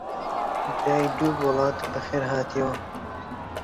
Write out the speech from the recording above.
برای دوور وڵات بەخێر هاتیەوە!